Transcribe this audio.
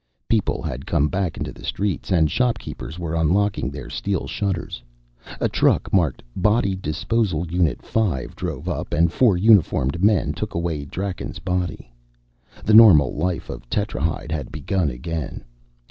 People had come back into the streets, and shopkeepers were unlocking their steel shutters. A truck marked BODY DISPOSAL UNIT 5 drove up, and four uniformed men took away Draken's body. The normal life of Tetrahyde had begun again.